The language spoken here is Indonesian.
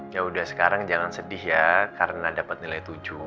yaudah sekarang jangan sedih ya karena dapat nilai tujuh